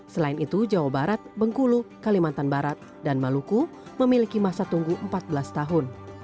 selain itu jawa barat bengkulu kalimantan barat dan maluku memiliki masa tunggu empat belas tahun